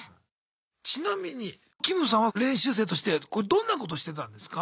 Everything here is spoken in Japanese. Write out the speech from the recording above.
ちなみにキムさんは練習生としてこれどんなことしてたんですか？